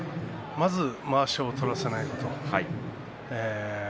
まずまわしを取らせない。